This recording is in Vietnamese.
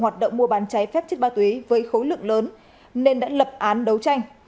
hoạt động mua bán cháy phép chất ma túy với khối lượng lớn nên đã lập án đấu tranh